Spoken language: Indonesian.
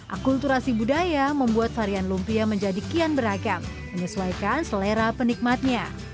akulturasi budaya membuat varian lumpia menjadi kian beragam menyesuaikan selera penikmatnya